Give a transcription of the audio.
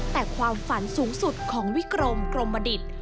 แต่ความฝันสูงสุดของวิกรมกรมดิต